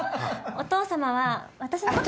お父様は私の事。